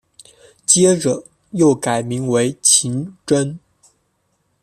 接着又改名为晴贞。